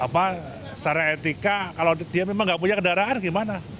secara etika kalau dia memang nggak punya kendaraan gimana